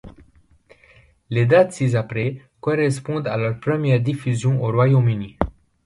Les dates ci-après correspondent à leur première diffusion au Royaume-Uni.